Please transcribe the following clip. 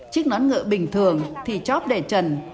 chiếc nón ngựa bình thường thì chóp để trần